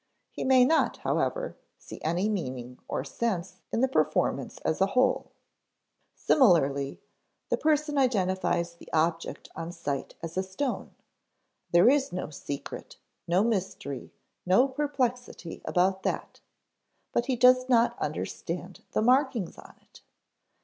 He may not, however, see any meaning or sense in the performance as a whole. Similarly, the person identifies the object on sight as a stone; there is no secret, no mystery, no perplexity about that. But he does not understand the markings on it.